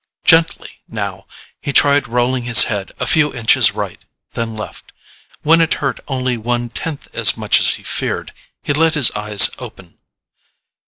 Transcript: Gently, now, he tried rolling his head a few inches right, then left. When it hurt only one tenth as much as he feared, he let his eyes open.